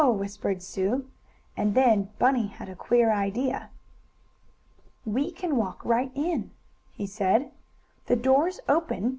whispered Sue. And then Bunny had a queer idea. "We can walk right in," he said. "The door is open.